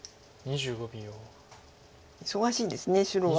忙しいんです白は。